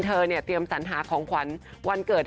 เธอเนี่ยเตรียมสัญหาของขวัญวันเกิด